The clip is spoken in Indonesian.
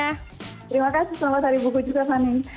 terima kasih selamat hari bukit sedunia